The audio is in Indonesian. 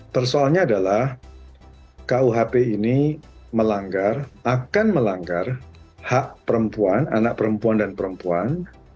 persoalnya adalah kuhp ini akan melanggar hak perempuan anak perempuan dan perempuan